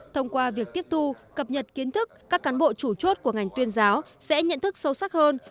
thông qua việc tiếp thu cập nhật kiến thức các cán bộ chủ chốt của ngành tuyên giáo sẽ nhận thức sâu sắc hơn